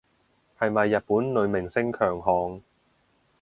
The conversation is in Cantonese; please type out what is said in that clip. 係咪日本女明星強項